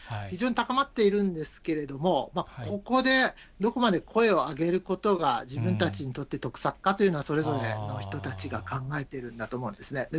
非常に高まっているんですけれども、ここで、どこまで声を上げることが、自分たちにとって得策かというのは、それぞれの人たちが考えているんだと思うんですね。